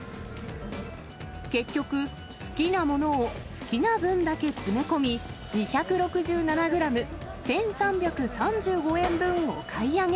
結局、好きなものを好きな分だけ詰め込み、２６７グラム１３３５円分お買い上げ。